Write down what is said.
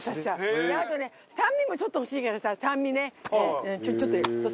あとね酸味もちょっと欲しいからさ酸味ね。